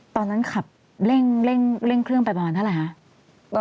ตอนนั้นขับเร่งเครื่องไปประมาณเท่าไหร่คะ